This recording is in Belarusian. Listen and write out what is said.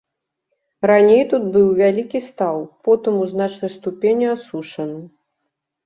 Раней тут быў вялікі стаў, потым у значнай ступені асушаны.